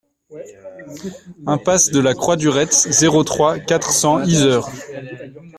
Impasse de la Croix du Retz, zéro trois, quatre cents Yzeure